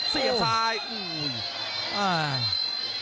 เสียแทนซ้าย